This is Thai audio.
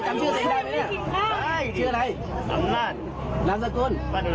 จำชื่อเสียงได้ไหมเนี้ยใช่ชื่ออะไรสำนาจลำสกุล